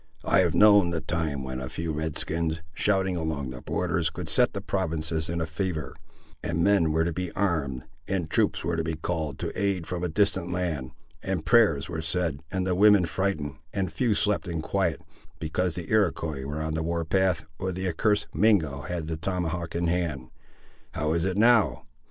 I have known the time when a few Red skins, shouting along the borders, could set the provinces in a fever; and men were to be armed; and troops were to be called to aid from a distant land; and prayers were said, and the women frighted, and few slept in quiet, because the Iroquois were on the war path, or the accursed Mingo had the tomahawk in hand. How is it now?